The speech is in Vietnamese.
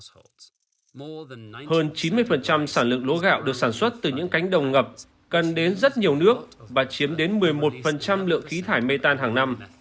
hơn chín mươi sản lượng lúa gạo được sản xuất từ những cánh đồng ngập cần đến rất nhiều nước và chiếm đến một mươi một lượng khí thải mê tan hàng năm